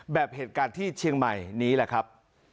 เหตุการณ์ที่เชียงใหม่นี้แหละครับ